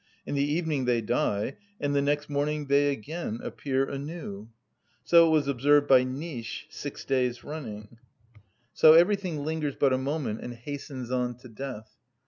In the evening they die, and the next morning they again appear anew." So it was observed by Nitzsch six days running. So everything lingers but a moment, and hastens on to death.